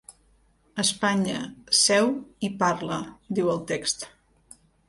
Espanya: seu i parla, diu el text.